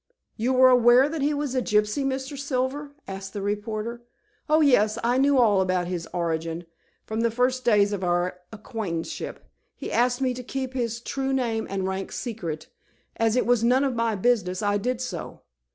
"You were aware that he was a gypsy, Mr. Silver?" asked the reporter. "Oh, yes. I knew all about his origin from the first days of our acquaintanceship. He asked me to keep his true name and rank secret. As it was none of my business, I did so.